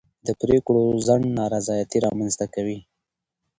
د پرېکړو ځنډ نارضایتي رامنځته کوي